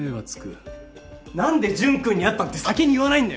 何で潤君に会ったって先に言わないんだよ！？